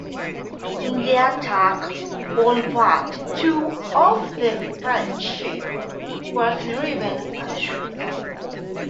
In the attack all but two of the French ships were driven ashore.